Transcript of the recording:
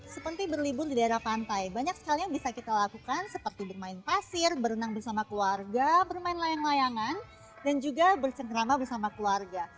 seperti berlibur di daerah pantai banyak sekali yang bisa kita lakukan seperti bermain pasir berenang bersama keluarga bermain layang layangan dan juga bercengkrama bersama keluarga